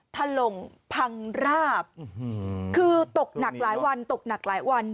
ถล่มพังราบคือตกหนักหลายวันตกหนักหลายวัน